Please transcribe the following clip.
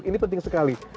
ini penting sekali